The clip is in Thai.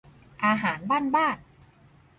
อาหารบ้านบ้าน